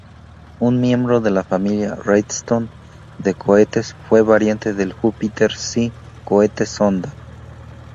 Un miembro de la familia "Redstone" de cohetes, fue variante del Jupiter-C Cohete sonda.